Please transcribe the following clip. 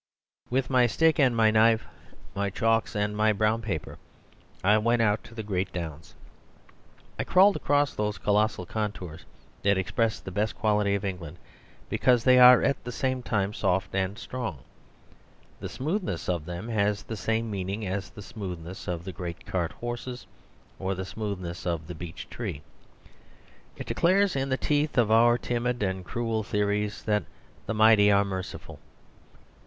..... With my stick and my knife, my chalks and my brown paper, I went out on to the great downs. I crawled across those colossal contours that express the best quality of England, because they are at the same time soft and strong. The smoothness of them has the same meaning as the smoothness of great cart horses, or the smoothness of the beech tree; it declares in the teeth of our timid and cruel theories that the mighty are merciful.